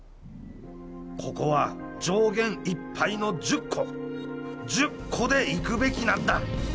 ここは上限いっぱいの１０個１０個でいくべきなんだ！